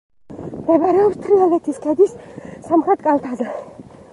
მდებარეობს თრიალეთის ქედის სამხრეთ კალთაზე.